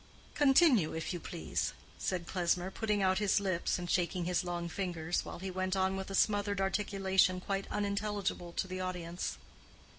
"_Con_tinue, if you please," said Klesmer, putting out his lips and shaking his long fingers, while he went on with a smothered articulation quite unintelligible to the audience.